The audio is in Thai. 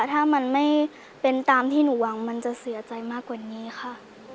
ถ้ามันไม่เป็นตามที่หนูหวังมันจะเสียใจมากกว่านี้ค่ะ